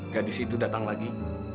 gadis itu datang lagi